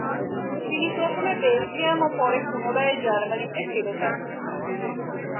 তিনি প্রথমে বেলজিয়াম ও পরে পুনরায় জার্মানিতে ফেরত আসেন।